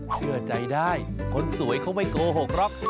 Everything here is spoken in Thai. เชื่อใจได้คนสวยเขาไม่โกหกหรอก